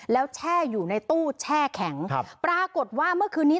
แล้วแช่อยู่ในตู้แช่แข็งครับปรากฏว่าเมื่อคืนนี้